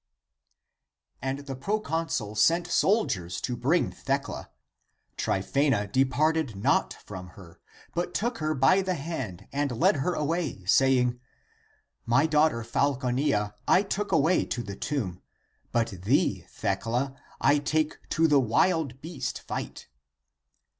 31. And the proconsul sent soldiers to bring Thecla. Tryphasna departed not from her, but took her by the hand and led her away, saying, " My daughter Falconilla I took away to the tomb; but thee, Thecla, I take to the wild beast fight."